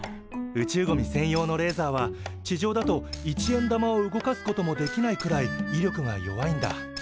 宇宙ゴミ専用のレーザーは地上だと一円玉を動かすこともできないくらいいりょくが弱いんだ。